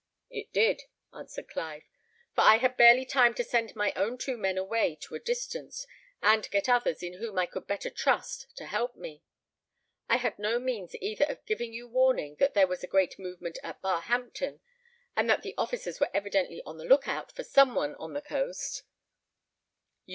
"It did," answered Clive; "for I had barely time to send my own two men away to a distance, and get others, in whom I could better trust, to help me. I had no means either of giving you warning that there was a great movement at Barhampton, and that the officers were evidently on the look out for some one on the coast.